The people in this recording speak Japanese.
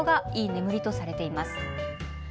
眠りとされています。